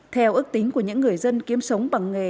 theo ước tính của những người dân kiếm sống bằng nghề